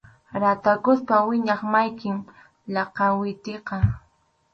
Ratakuspa wiñaq mallkim lakawitiqa.